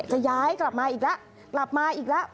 จะย้ายกลับมาอีกแล้วกลับมาอีกแล้ว